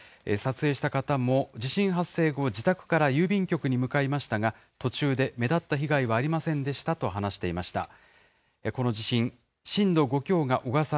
撮影した方も、地震発生後、自宅から郵便局に向かいましたが、途中で目立った被害はありませんでしたと話していました。